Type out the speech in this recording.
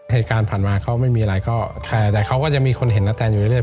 เหตุการณ์ผ่านมาเขาไม่มีอะไรก็แค่แต่เขาก็จะมีคนเห็นนะแตงอยู่เรื่อย